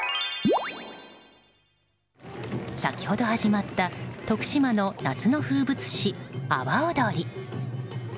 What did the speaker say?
先ほど始まった徳島の夏の風物詩、阿波おどり。